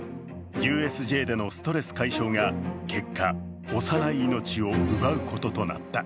ＵＳＪでのストレス解消が結果、幼い命を奪うこととなった。